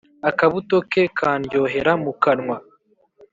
akabuto ke kandyohera mu kanwa.